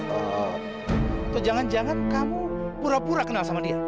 atau jangan jangan kamu pura pura kenal sama dia